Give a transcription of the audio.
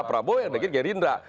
pramowo yang dekit gerindra